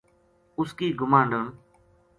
اس کی گماہنڈن “